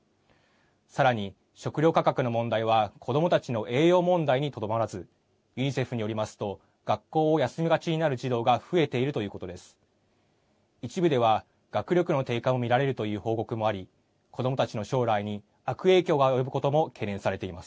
さらに食料価格の問題は子どもたちの栄養問題にとどまらずユニセフによりますと学校を休みがちになる児童が増えているということです。